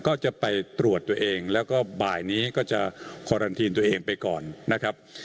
ก็จะไปตรวจตัวเองแล้วก็บ่ายนี้ก็จะคอรันทีนตัวเองไปก่อนนะครับ